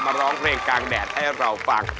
ร้องเพลงกลางแดดให้เราฟัง